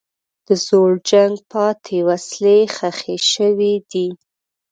د زوړ جنګ پاتې وسلې ښخ شوي دي.